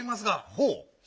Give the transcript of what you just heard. ほう。